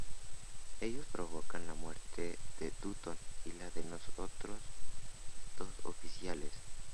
Ellos provocaron la muerte de Dutton y la de otros dos oficiales.